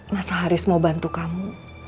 masa haris mau bantu kamu